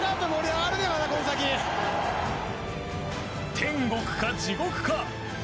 天国か、地獄か。